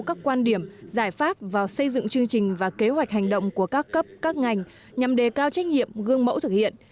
các quan điểm giải pháp vào xây dựng chương trình và kế hoạch hành động của các cấp các ngành nhằm đề cao trách nhiệm gương mẫu thực hiện